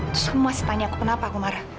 terus kamu masih tanya aku kenapa aku marah